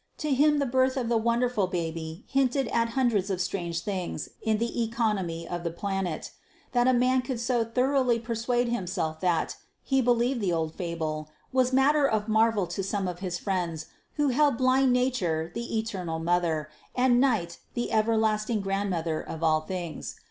To him the birth of the wonderful baby hinted at hundreds of strange things in the economy of the planet. That a man could so thoroughly persuade himself that, he believed the old fable, was matter of marvel to some of his friends who held blind Nature the eternal mother, and Night the everlasting grandmother of all things.